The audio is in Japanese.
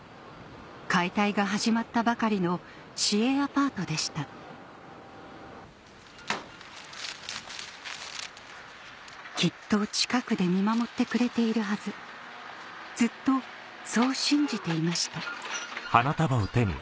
解体が始まったばかりの市営アパートでしたきっと近くで見守ってくれているはずずっとそう信じていました